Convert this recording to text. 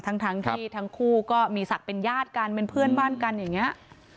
ทั้งที่ทั้งคู่ก็มีศักดิ์เป็นญาติกันเป็นเพื่อนบ้านกันอย่างนี้